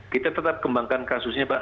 kita tetap kembangkan kasusnya pak